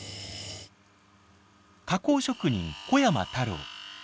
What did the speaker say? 加工職人小山太郎。